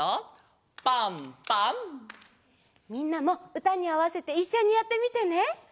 みんなもうたにあわせていっしょにやってみてね！